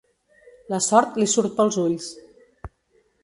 La sort li surt pels ulls.